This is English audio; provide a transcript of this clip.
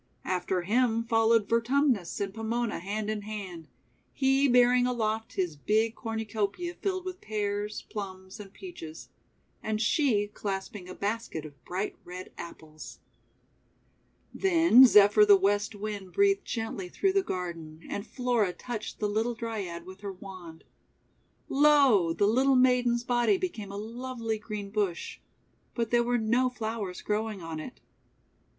After him followed Vertumnus and Pomona hand in hand, he bear ing aloft his big cornucopia filled with Pears, Plums, and Peaches, and she clasping a basket of bright red Apples. FRUIT ON THE ROSE BUSH 119 Then Zephyr the West Wind breathed gently through the garden, and Flora touched the little Dryad with her wand. Lo! the little maiden's body became a lovely green bush; but there were no flowers growing on it.